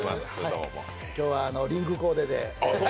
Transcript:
今日はリンクコーデで。